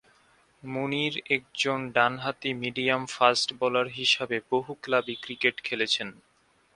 মুনির একজন ডানহাতি medium fast bowler হিসেবে বহু ক্লাবে ক্রিকেট খেলেছেন।